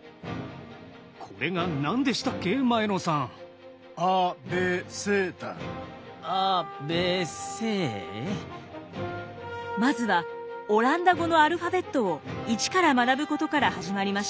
今までこの国でまずはオランダ語のアルファベットを一から学ぶことから始まりました。